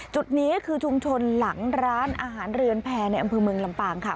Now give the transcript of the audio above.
จุดนี้คือชุมชนหลังร้านอาหารเรือนแพรในอำเภอเมืองลำปางค่ะ